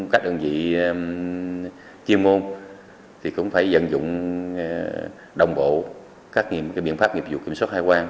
các đơn vị chuyên môn cũng phải dân dụng đồng bộ các biện pháp nghiệp dụng kiểm soát hải quan